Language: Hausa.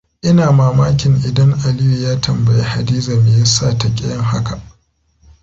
Ina mamakin idan Aliyu ya tambayi Hadiza me yasa ta ƙi yin haka?